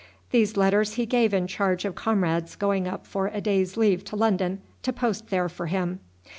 These letters he gave in charge of comrades going up for a day's leave to London to post there for him.